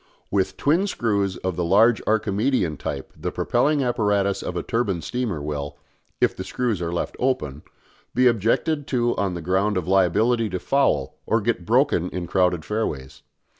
With twin screws of the large Archimedean type the propelling apparatus of a turbine steamer will if the screws are left open be objected to on the ground of liability to foul or to get broken in crowded fairways.